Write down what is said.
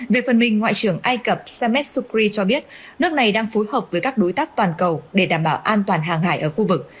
về phần mình ngoại trưởng ai cập samet sukri cho biết nước này đang phối hợp với các đối tác toàn cầu để đảm bảo an toàn hàng hải ở khu vực